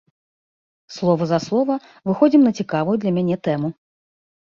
Слова за слова выходзім на цікавую для мяне тэму.